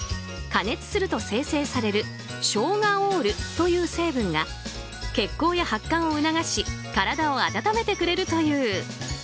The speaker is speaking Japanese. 加熱すると生成されるショウガオールという成分が血行や発汗を促し体を温めてくれるという。